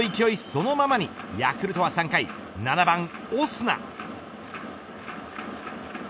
そのままにヤクルトは３回７番オスナ。